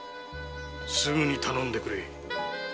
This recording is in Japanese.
すぐに頼んでくれ。